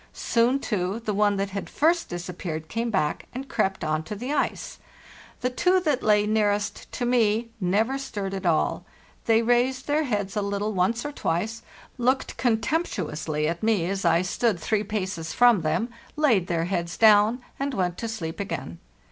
Soon, too, the one that had first disappeared came back and crept on to the ice. The two that lay nearest to me never stirred at all; they raised their heads a little once or twice, looked contemptuously at me as I stood three THE JOURNEY SOUTHWARD 499 paces from them, laid their heads down and went to sleep again.